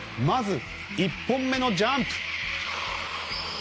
まず１本目のジャンプ。